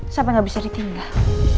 sampai gak bisa ditinggal